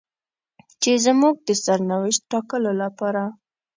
چې زموږ د سرنوشت ټاکلو لپاره.